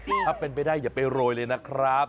ถ้าเป็นไปได้อย่าไปโรยเลยนะครับ